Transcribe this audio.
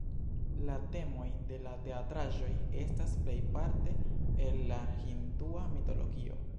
La temoj de la teatraĵoj estas plejparte el la hindua mitologio.